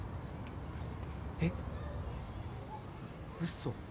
えっ？嘘！？